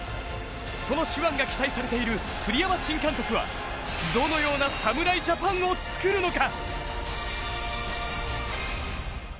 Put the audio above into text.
その手腕が期待されている栗山新監督はどのような侍ジャパンを作るのか。